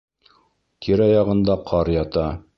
Тирә-яғында ҡар ята.